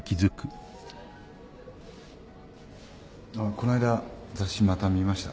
こないだ雑誌また見ました。